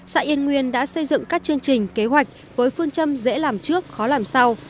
xã yên nguyên đã xây dựng các chương trình kế hoạch với phương châm dễ làm trước khó làm sau